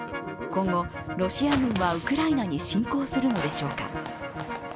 今後、ロシア軍はウクライナに侵攻するのでしょうか。